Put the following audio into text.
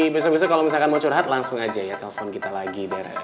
besok besok kalau misalkan mau curhat langsung aja ya telepon kita lagi daerah